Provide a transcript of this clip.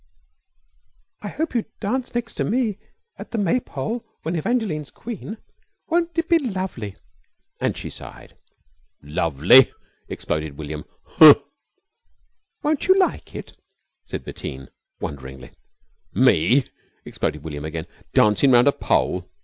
"I hope you dance next me at the Maypole when Evangeline's Queen. Won't it be lovely?" and she sighed. "Lovely?" exploded William. "Huh!" "Won't you like it?" said Bettine wonderingly. "Me!" exploded William again. "Dancin' round a pole!